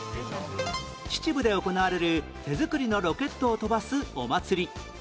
秩父で行われる手作りのロケットを飛ばすお祭り